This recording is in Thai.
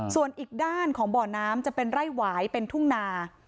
ส่วนอีกด้านของบ่อน้ำจะเป็นไร่หวายเป็นทุ่งนา